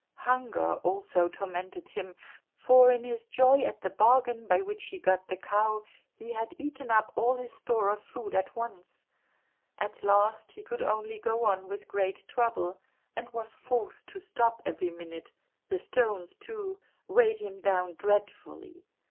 Hunger also tormented him, for in his joy at the bargain by which he got the cow he had eaten up all his store of food at once. At last he could only go on with great trouble, and was forced to stop every minute; the stones, too, weighed him down dreadfully.